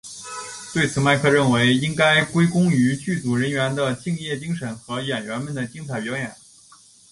对此麦克认为应该归功于剧组人员的敬业精神和演员们的精彩表演。